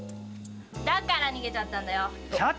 だから逃げちゃったんだよ。